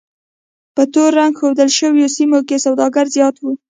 په تور رنګ ښودل شویو سیمو کې سوداګري زیاته وه.